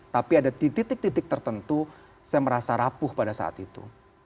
tapi ada di titik titik tertentu saya merasa rapuh pada saat itu